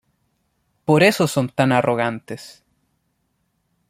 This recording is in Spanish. Por eso son tan arrogantes.